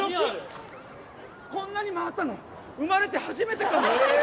こんなに回ったの生まれて初めてかも。